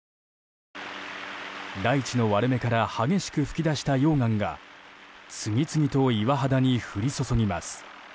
大地の割れ目から激しく噴き出した溶岩が次々と岩肌に降り注ぎます。